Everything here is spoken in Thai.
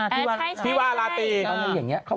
เอาในอย่างนี้เขาบอกว่าจะกลับมา